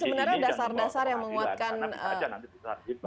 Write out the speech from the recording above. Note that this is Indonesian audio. pak hari sebenarnya dasar dasar yang menguatkan